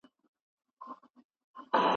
د تیزس پوره مسؤلیت پر شاګرد باندي دی.